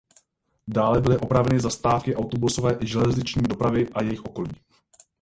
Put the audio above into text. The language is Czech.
Dále byly opraveny zastávky autobusové i železniční dopravy a jejich okolí.